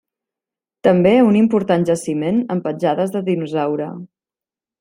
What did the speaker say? També un important jaciment amb petjades de dinosaure.